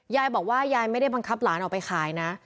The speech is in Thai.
ยายบอกว่ายายไม่ได้บังคับหลานออกไปขายนะ